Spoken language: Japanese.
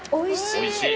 おいしい。